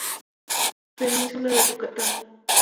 Península de Yucatán